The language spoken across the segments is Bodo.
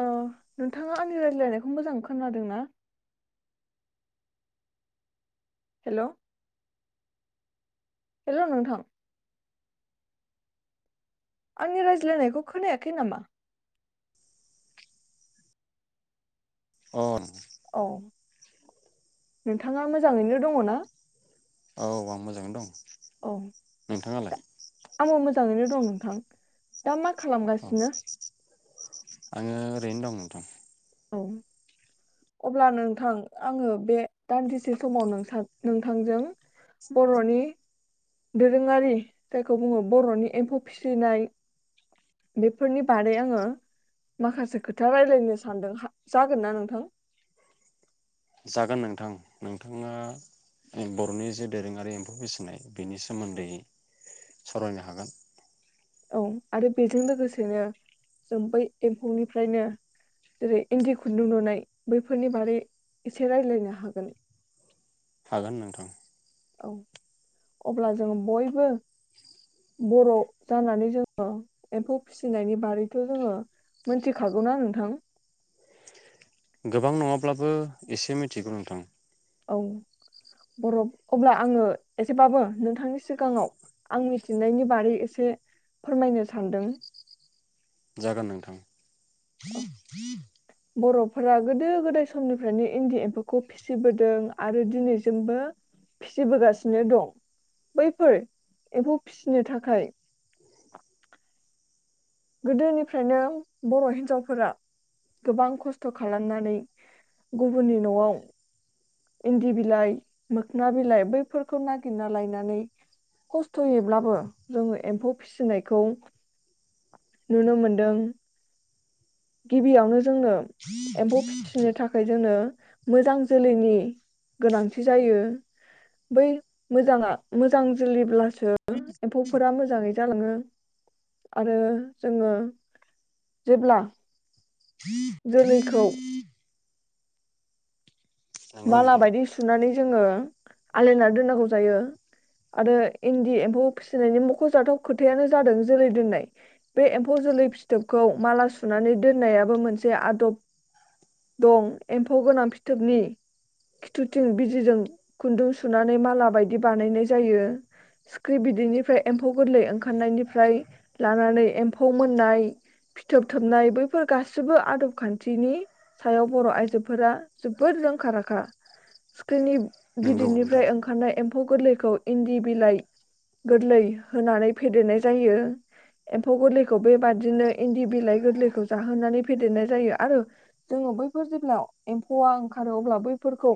ओ नोंथाङा आंनि रायज्लायनायखौ मोजां खोनादों ना हेल' हेल' नोंथां आंनि रायज्लायनायखौ खोनायाखै नामा अ औ नोंथाङा मोजाङैनो दङ ना औ आं मोजाङैनो दं औ नोंथाङालाय आंबो मोजाङैनो दं नोंथां दा मा अ खालामगासिनो आङो ओरैनो दं‌ नोंथां औ अब्ला नोंथां आङो बे दान्दिसे समाव नोंथां नोंथांजों बर'नि दोरोङारि जायखौ बुङो बर'नि एम्फौ फिसिनाय बेफोरनि बादै आङो माखासे खोथा रायलायनो सानदों जागोनना नोंथां जागोन नोंथां नोंथाङा बर'नि जे दोरोङारि एम्फौ फसिनाय बेनि सोमोन्दै सावरायनो हागोन औ आरो बेजों लोगोसेनो जों बै एम्फौनिफ्रायनो जेरै इन्दि खुन्दुं लुनाय बैफोरनि बारै एसे राय्लायनो हागोन हागोन नोंथां औ अब्ला जों बयबो बर जानानै जोङो एम्फौ फिसिनायनि बारैथ जोङो मोनथिखागौना नोंथां गोबां नङाब्लाबो एसे मिथिगौ नोंथां औ बर अब्ला आङो एसेबाबो नोंथांनि सिगाङाव आं मिथिनायनि बारै एसे फोरमायनो सानदों जागोन नोंथां औ [inaudible] बरफोरा गोदो गोदाय समनिफ्रायनो इन्दि एम्फौखौ फिसिबोदों आरो दिनैसिमबो फिसिबोगासिनो दं बैफोर एम्फौ फिसिनो थाखाय गोदोनिफ्रायनो बर हिनजावफोरा गोबां खस्थ खालामनानै गुबुननि नआव इन्दि बिलाइ मोखना बिलाइ बैफोरखौ नागिरना लायनानै खस्थयैब्लाबो जोङो एम्फौ फिसिनायखौ नुनो मोनदों गिबियावनो जोंनो एम्फौ फिसिनो थाखाय जोंनो मोजां जोलैनि गोनांथि जायो बै मोजाङा मोजां जोलैब्लास सो एम्फौफोरा मोज मोजाङै जालाङो आरो जोङो जेब्ला जोलैखौ नंगौ माला नोंथां बायदि सुनानै जोङो आलायनानै दोननांगौ जायो आरो इन्दि एम्फौ फिसिनायनि मखजाथाव खोथायानो जादों जोलै दोननाय बे एम्फौ जोलै फिथोबखौ माला सुनानै दोननायाबो मोनसे आदब दं एम्फौ गोनां फिथोबनि खिथुथिं बिजिजों खुन्दुं सुनानै माला बायदि बानायनाय जायो सिख्रि बिदैनिफ्राय एम्फौ गोरलै ओंखारनायनिफ्राय लानानै एम्फौ मोननाय फिथोबथोबनाय बैफोर गासिबो आदब खान्थिनि सायाव बर आइजोफोरा जोबोद रोंखा राख खा सिक्रिनिब नंगौ नोंथां गिदिरनिफ्राय ओंखारनाय एमफ एम्फौ गोरलैखौ इन्दि बिलाइ गोरलै होनानै फेदेरनाय जायो एम्फौ गोरलैखौ बेबादिनो इन्दि बिलाइ गोरलैखौ जाहोनानै फेदेरनाय जायो आरो जोङो बैफोर जेब्ला एम्फौआ ओंखारो अब्ला बै फो फोरखौ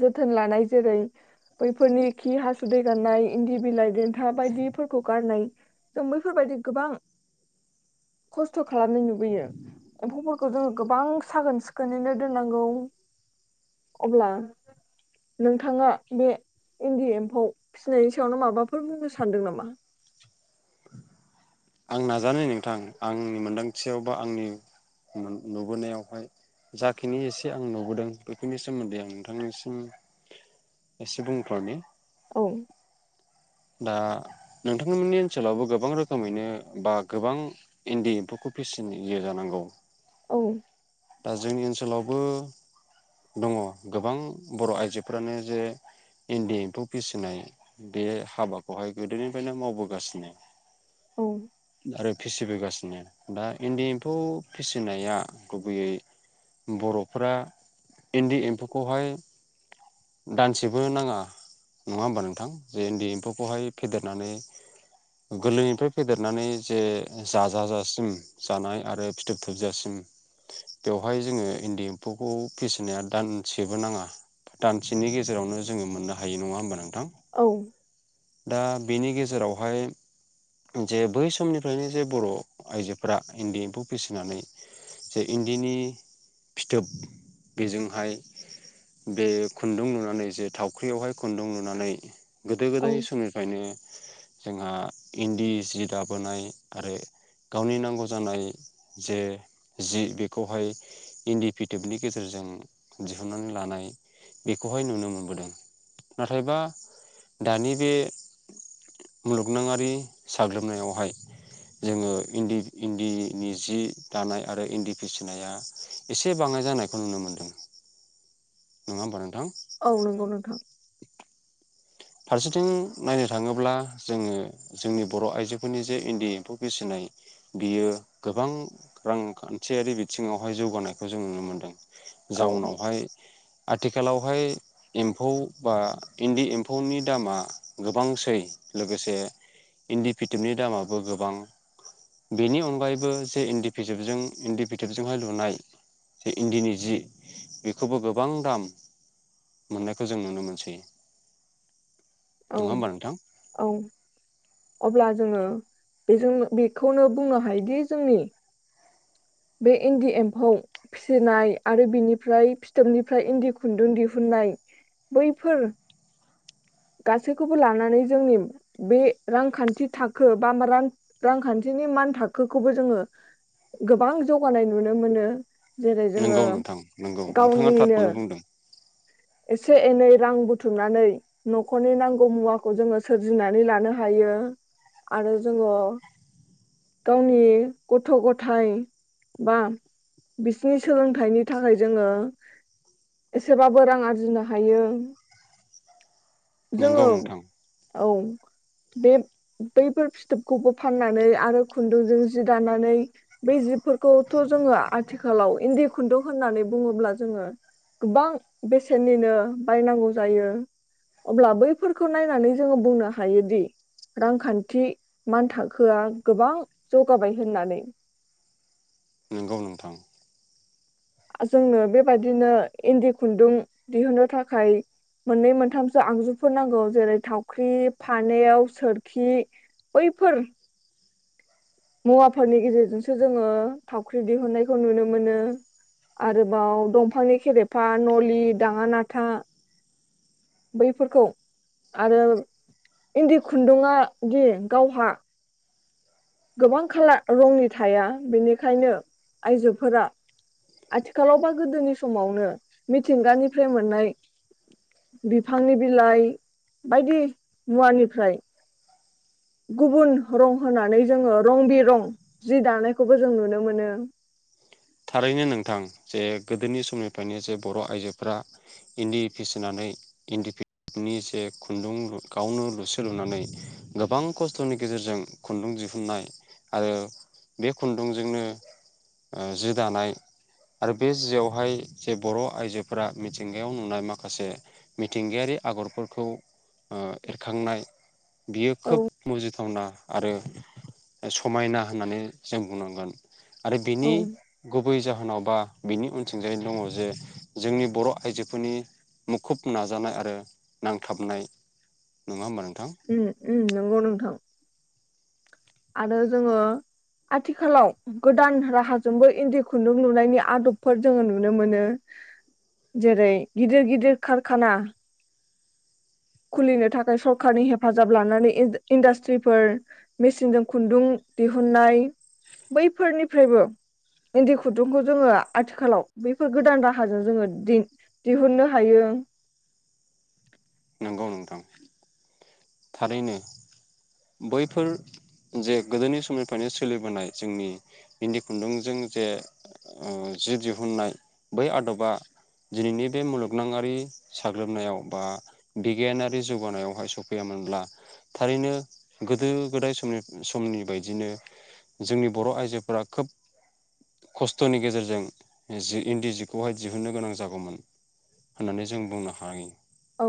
जोथोन लानाय जेरै बैफोरनि खि हासुदै गारनाय इन्दि बिलाइ देन्था बायदिफोरखौ गारनाय जों बैफोरबायदि गोबां खस्थ खालामनाय नुबोयो एम्फौफोरखौ जोङो गोबां सागोन सिखोनैनो दोननांगौ अब्ला नोंथाङा बे इन्दि एम्फौ फिसिनायनि सायावनो माबाफोर बुंनो सानदों नामा आं नाजानाय नोंथां आंनि मोनदांथियाव बा आंनि नु नुबोनायावहाय जाखिनि एसे आं नुबोदों बेखिनि सोमोन्दै आं नोंथांनिसिम एसे बुंथनि औ दा नोंथांमोननि ओनसोलावबो गोबां रोखोमैनो बा गोबां इन्दि एम्फौखौ फिसियो जानांगौ औ दा जोंनि ओनसोलाव बो दङ गोबां बर' आइजोफोरानो जे इन्दि एमफौ फिसिनाय बे हाबाखौहाय गोदोनिफ्रायनो मावबोगासिनो औ आरो फिसि बोगा दा इन्दि एम्फौ फिसिनाया गुबैयै बर'फोरा इन्दि एमफौखौहाय दानसेबो नाङा नङा होमबा नोंथां जे इन्दि एम्फौ खौहाय फेदेरनानै गोरलैनिफ्राय फेदेरनानै जे जाजाजासिम जानाय आरो फिथोब थोबजासिम बेवहाय जोङो इन्दि एम्फौखौ फिसिनाया दानसेबो नाङा दानसेनि गेजेरावनो जोङो मोननो हायो नङा होनबा नों औ दा बेनि गेजेरावहाय जे बै समनिफ्रायनो जे बर' आइजोफोरा इन्दि एम्फौ फिसिनानै जे इन्दिनि फिथोब बेजोंहाय बे खुन्दुं लुनानै जे थावख्रियावहाय खन्दुं लुनानै गोदो औ गोदाय सु निफ्रायनो जोंहा इन्दि सि दाबोनाय आरो गावनि नांगौ जानाय जे जि बेखौहाय इन्दि फिथोबनि गेजेरजों दिहुननानै लानाय बेखौहाय नुनो मोनबोदों नाथायबा दानि बे मुलुगनङारि साग्लोबनायावहाय जोङो इन्दि इन्दिनि जि दानाय आरो इन्दि फिसिनाया एसे बाङाय जानायखौ नुनो मोन्दों नङा होमबा नों औ नंगौ नोंथां। फारसेथिं नायनो थाङोब्ला जोङो जोंनि बर' आइजोफोरनि जे इन्दि एम्फौ फिसिनाय बियो गोबां रांखान्थियारि बिथिङावहाय जौगानायखौ जों नुनो मोन्दों। औ जाउनावहाय आथिखालावहाय इम्फौ बा इन्दि इम फौनि दामा गोबांसै लोगोसे इन्दि फिथोबनि दामाबो गोबां बेनि अनगायैबो जे इन्दि फिसोबजों इन्दि फिथोबजोंहाय लुनाय जे इन्दिनि जि बेखोबो गोबां दाम मोननायखौ जों नुनो मोनसै। औ नङा होमबा नोंथां औ अब्ला जोङो बेजों बेखौनो बुंनो हायोदि जोंनि बे इन्दि एम्फौ फिसिनाय आरो बिनिफ्राय फिथोबनिफ्राय इन्दि खुन्दुं दिहुननाय बैफोर गासैखौबो लानानै जोंनि बे रांखान्थि थाखो बा रां रांखान्थिनि मान थाखोखौबो जोङो गोबां जौगानाय नुनो मोनो। जेरै जोङो नोंगौ नोंथां नोंगौ नोंथाङा गावनिनो थारखौनो बुंदों। एसे एनै रां बुथुमनानै न'खरनि नांगौ मुवाखौ जोङो सोरजिनानै लानो हायो आरो जोङो गावनि गथ' गथाइ बा बिसिनि सोलोंथाइनि थाखाय जोङो एसेबाबो रां आ रजिनो हायो। नोंगौ जोङो नोंथां औ बे-बैफोर फिथोबखौबो फाननानै आरो खुन्दुंजों जि दानानै बै जिफोरखौथ' जोङो आथिखालाव इन्दि खुन्दुं होननानै बुङोब्ला जोङो गोबां बेसेननिनो बायनांगौ जायो। अब्ला बैफोरखौ नायनानै जोङो बुंनो हायोदि रांखान्थि मान थाखोआ गोबां जौगाबाय होननानै नोंगौ नोंथां जोंनो बेबायदिनो इन्दि खुन्दुं दिहुन्नो थाखाय मोननै मोनथामसो आगजुफोर नांगौ जेरै थावख्रि फानेव सोरखि बैफोर मुवाफोरनि गेजेरजोंसो जोङो थावख्रि दिहुननायखौ नुनो मोनो आरोबाव दंफांनि खेरेफा नलि दाङा नाथा बैफोरखौ आरो इन्दि खुन्दुङा दि गावहा गोबां खाला रंनि थाया बेनिखायनो आइजोफोरा आथिखालाव बा गोदोनि समावनो मिथिंगानिफ्राय मोननाय बिफांनि बिलाइ बायदि मुवानिफ्राय गुबुन रं होनानै जोङो रं बि रं जि दानायखौबो जों नुनो मोनो। थारैनो नोंथां जे गोदोनि समनिफ्रायनो जे बर' आइजोफ्रा इन्दि फिसिनानै इन्दि फिथोब जे खुन्दुं गावनो लुसु लुनानै गोबां खस्थ'नि गेजेरजों खुन्दुं दिहुननाय आरो बे खुन्दुंजोंनो ओ जि दानाय आरो बे जियावहाय जे बर' आइजोफोरा मिथिंगायाव नुनाय माखासे मिथिंगायारि आगरफोरखौ ओ एरखांनाय बियो औ खोब मुजिद थावना आरो समायना होननानै जों बुंनांगोन। आरो औ बिनि उम गुबै जाहोनाव बा बिनि अनथिंजायनो दङ जे जोंनि बर' आइजोफोरनि मुखुब नाजानाय आरो नांथाबनाय नोङा ओमबा नों उम उम नंगौ नोंथां आरो जोङो आथिखालाव गोदान राहाजोंबो इन्दि खुन्दुं लुनायनि आदबफोर जोङो नुनो मोनो जेरै गिदिर गिदिर कारखाना खुलिनो थाखाय सरखारारनि हेफाजाब लानानै इज्द-इन्डास्ट्रिफोर मेसिनजों खुन्दुं दिहुननाय बैफोरनिफ्रायबो इन्दि खुन्दुंखौ जोङो आथिखालाव बैफोर गोदान राहाजों जोङो दि-दिहुननो हायो। नंगौ नोंथां थारैनो बैफोर जे गोदोनि समनिफ्रायनो सोलिबोनाय जोंनि इन्दि खुन्दुंजों जे ओ जि दिहुननाय बै आदबा दिनैनि बे मुलुगनांआरि साग्लोबनायाव बा बिगियानारि जौगानायावहाय सफैयामोनब्ला थारैनो गोदो गोदाय समनि-समनि बायदिनो जोंनि बर' आइजोफोरा खोब खस्थ'नि गेजेरजों जि इन्दि जिखौहाय दिहुननो गोनां जागौमोन होननानै जों बुंनो हायो औ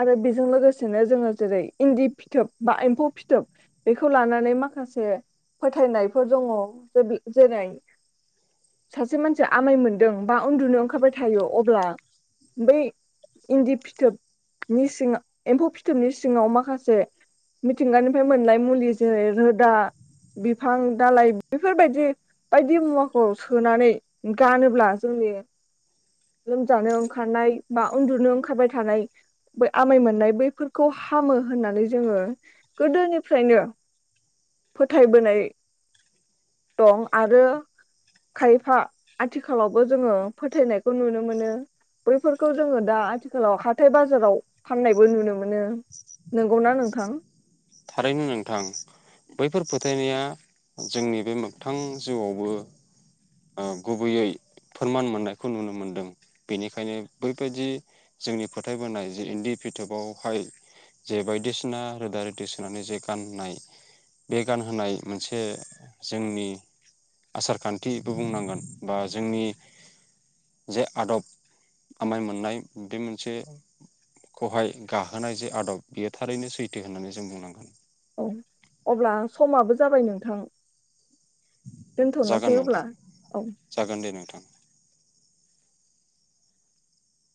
आरो बेजों लोगोसेनो जोङो जेरै इन्दि फिथोब बा एम्फौ फिथोब बेखौ लानानै माखासे फोथायनायफोर दङ जे जेरै सासे मानसिया आमाय मोनदों बा उन्दुनो ओंखारबाय थायो अब्ला बै इन्दि फिथोबनि सिङा एम्फौ फिथोबनि सिङाव माखासे मिथिंगानिफ्राय मोनलाय मुलि जेरै रोदा बिफां दालाइ बेफोरबायदि बायदि मुवाखौ सोनानै गानोब्ला जोंनि लोमजानो ओंखारनाय बा उन्दुनो ओंखारबाय थानाय बै आमाय मोननाय बैफोरखौ हामो होननानै जोङो गोदोनिफ्रायनो फोथायबोनाय दं आरो खायफा आथिखालावबो जोङो फोथायनाय खौ नुनो मोनो बैफोरखौ जोङो दा आथिखालाव हाथाय बाजाराव फाननायबो नुनो मोनो नोंगौना नोंथां थारैनो नोंथां बैफोर फोथायनाया जोंनि बे मोगथां जिउआवबो ओ गुबैयै फोरमान मोननायखौ नुनो मोनदों बिनिखायनो बैबायदि जोंनि फोथायबोनाय जि इन्दि फिथोबावहाय जे बायदिसिना रोदा सोनानै जे गाननाय बे गानहोनाय मोनसे जोंनि आसारखान्थिबो बुंनांगोन बा जोंनि जे आदब आमाय मोननाय बे मोनसे खौहाय गाहोनाय जे आदब बियो थारैनो सैथो होननानै जों बुंनांगोन औ अब्ला समाबो जाबाय नोंथां दोनथ'नोसै जागोन अब्ला नोंथां औ जागोन दे नोंथां